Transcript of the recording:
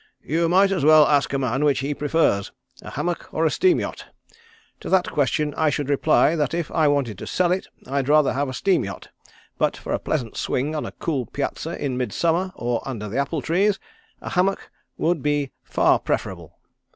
"You might as well ask a man which he prefers, a hammock or a steam yacht. To that question I should reply that if I wanted to sell it, I'd rather have a steam yacht, but for a pleasant swing on a cool piazza in midsummer or under the apple trees, a hammock would be far preferable.